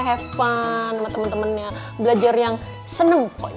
have fun sama temen temennya belajar yang seneng